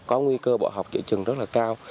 có nguy cơ bỏ học giữa trường rất là cao